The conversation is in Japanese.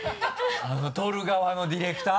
撮る側のディレクター？